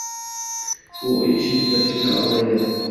U uy ishini tugatish bilan ovora edi